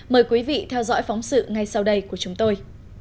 mời quý vị theo dõi phóng sự ngay sau đây của chúng tôi